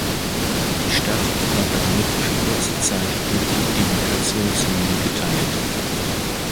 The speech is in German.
Die Stadt war damit für kurze Zeit durch die Demarkationslinie geteilt.